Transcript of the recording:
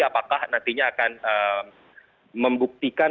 apakah nantinya akan membuktikan